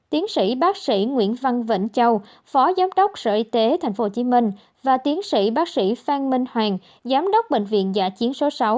tiến sĩ bác sĩ nguyễn văn vĩnh châu phó giám đốc sở y tế tp hcm và tiến sĩ bác sĩ phan minh hoàng giám đốc bệnh viện giả chiến số sáu